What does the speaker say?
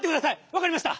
わかりました。